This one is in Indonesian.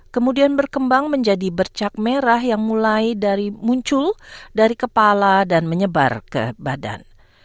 kemudian berkembang menjadi bercak merah yang mulai dari muncul dari kepala dan menyebar ke badan